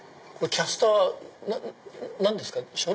キャスター何ですか？